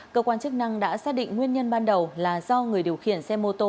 cơ quan chức năng đã xác định nguyên nhân ban đầu là do người điều khiển xe mô tô